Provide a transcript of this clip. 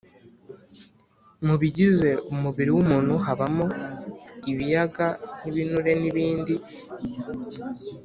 mu bigize umubiri w’umuntu habamo ibiyaga nk’ibinure n’ibindi